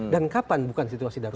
dan kapan bukan situasi darurat